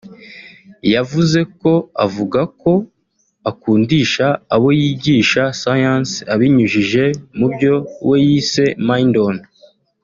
yavuze ko avuga ko akundisha abo yigisha science abinyujije mu byo we yise mind on